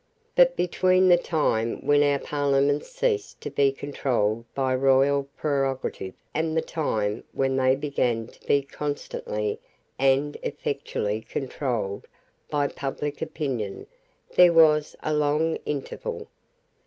But between the time when our Parliaments ceased to be controlled by royal prerogative and the time when they began to be constantly and effectually controlled by public opinion there was a long interval.